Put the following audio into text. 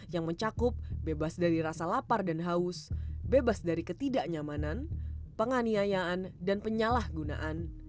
yang mencakup bebas dari rasa lapar dan haus bebas dari ketidaknyamanan penganiayaan dan penyalahgunaan